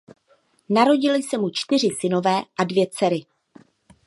Narodili se mu čtyři synové a dvě dcery.